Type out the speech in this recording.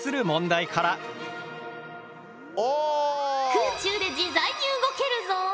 空中で自在に動けるぞ。